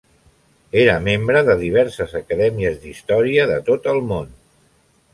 Era membre de diverses acadèmies d'història de tot el món.